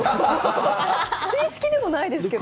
正式でもないですけど。